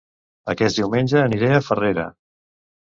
Aquest diumenge aniré a Farrera